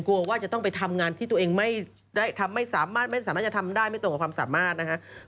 ว่าจะต้องไปทำงานที่ตัวเองไม่สามารถไม่สามารถจะทำได้ไม่ตรงกับความสามารถนะครับ